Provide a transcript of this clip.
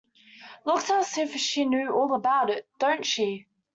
Looks as if she knew all about it, don't she?